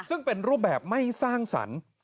ซึ่งเป็นรูปแบบไม่สร้างสรรค์